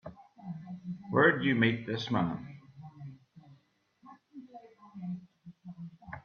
Where'd you meet this man?